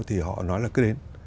thì họ nói là cứ đến